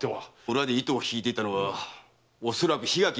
裏で糸を引いていたのはおそらく檜垣豊後守。